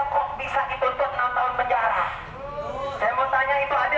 kok bisa dituntut enam tahun penjara